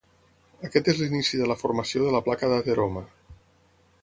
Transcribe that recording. Aquest és l'inici de la formació de la placa d'ateroma.